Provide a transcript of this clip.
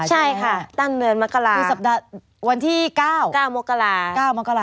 ใช่ค่ะต้นเดือนมกราคือสัปดาห์วันที่เก้าเก้ามกราเก้ามกรา